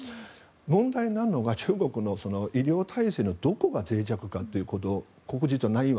問題なのが中国の医療体制のどこがぜい弱かということ。